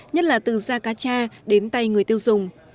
nhất là từ da cacha đến tay người tiêu dùng